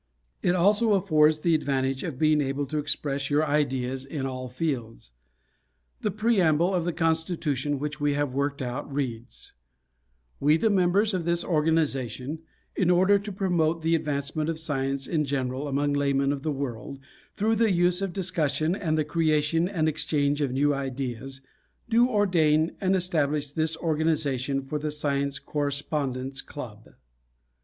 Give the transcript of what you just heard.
It also affords the advantage of being able to express your ideas in all fields. The Preamble of the Constitution which we have worked out reads: "We, the members of this organization, in order to promote the advancement of Science in general among laymen of the world through the use of discussion and the creation and exchange of new ideas, do ordain and establish this organization for the Science Correspondence Club."